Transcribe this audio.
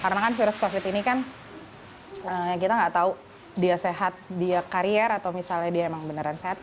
karena kan virus covid ini kan kita nggak tahu dia sehat di karier atau misalnya dia emang beneran sehat